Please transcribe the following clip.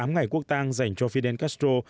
tám ngày quốc tàng dành cho fidel castro